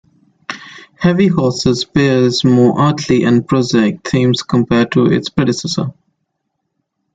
"Heavy Horses" bares more earthly and prosaic themes compared to its predecessor.